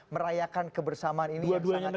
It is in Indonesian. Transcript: merayakan kebersamaan ini yang sangat baik